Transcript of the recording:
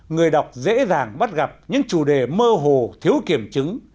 người đọc dễ dàng bắt gặp những chủ đề mơ hồ thiếu kiểm chứng